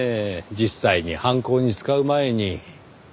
実際に犯行に使う前に。